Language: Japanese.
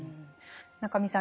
中見さん